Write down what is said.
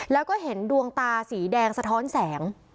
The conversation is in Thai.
แล้วก็เห็นดวงตาสีแดงสะท้อนแสง